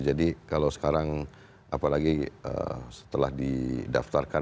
jadi kalau sekarang apalagi setelah didaftarkan